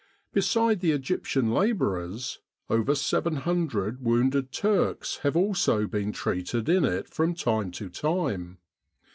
Beside the Egyptian labourers, over 700 wounded Turks have also been treated in it from time to time.